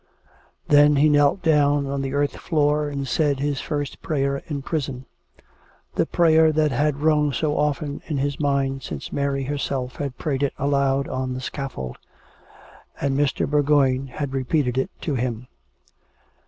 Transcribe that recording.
Then he knelt down on the earth floor and said his first prayer in prison; the prayer that had rung so often in his mind since Mary herself had prayed it aloud on the scaf fold ; and Mr. Bourgoign had repeated it to him.